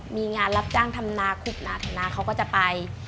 มีงานรับจ้างทำนาคลุกนาธนาเขาก็จะไป